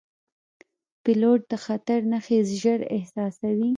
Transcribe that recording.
پیلوټ د خطر نښې ژر احساسوي.